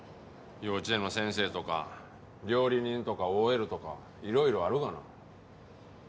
幼稚園の先生とか料理人とかＯＬとかいろいろあるがな。